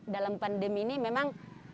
dalam pandemi ini memang